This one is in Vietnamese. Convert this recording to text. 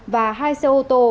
và hai xe ô tô